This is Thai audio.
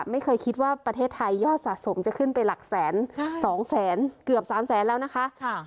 ไม่เคยคิดว่าประเทศไทยยอดสะสมจะขึ้นไปหลักแสน๒แสนเกือบ๓แสนแล้วนะคะ